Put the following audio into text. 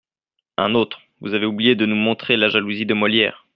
Un autre :« Vous avez oublié de nous montrer la jalousie de Molière.